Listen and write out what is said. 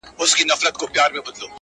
شپږ اووه شپې په ټول ښار کي وه جشنونه؛